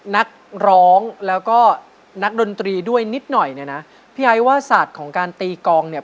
นักร้องแล้วก็นักดนตรีด้วยนิดหน่อยเนี่ยนะพี่ไอ้ว่าศาสตร์ของการตีกองเนี่ย